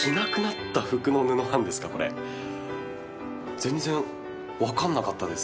全然分かんなかったです